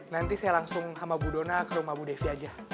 nanti saya langsung sama bu dona ke rumah bu devi aja